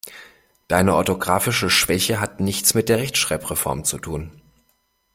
Deine orthografische Schwäche hat nichts mit der Rechtschreibreform zu tun.